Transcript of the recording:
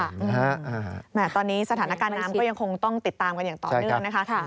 แหม่ตอนนี้สถานการณ์น้ำก็ยังคงต้องติดตามกันอย่างต่อเนื่องนะคะ